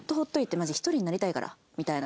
「マジ１人になりたいから」みたいな。